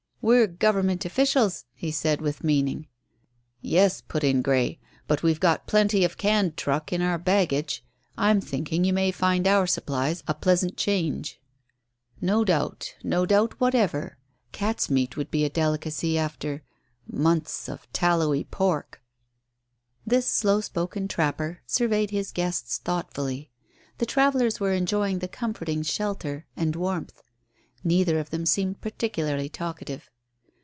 "We're Government officials," he said with meaning. "Yes," put in Grey. "But we've got plenty of canned truck in our baggage. I'm thinking you may find our supplies a pleasant change." "No doubt no doubt whatever. Cat's meat would be a delicacy after months of tallowy pork." This slow spoken trapper surveyed his guests thoughtfully. The travellers were enjoying the comforting shelter and warmth. Neither of them seemed particularly talkative.